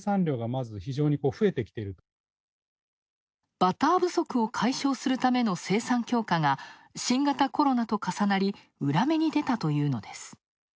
バター不足を解消するための生産強化が新型コロナと重なり、裏目に出たというのです。